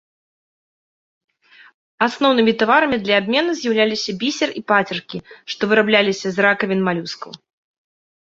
Асноўным таварамі для абмену з'яўляліся бісер і пацеркі, што вырабляліся з ракавін малюскаў.